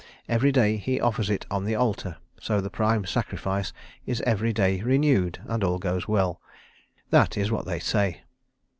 Every day he offers it on the altar. So the prime sacrifice is every day renewed, and all goes well. That is what they say."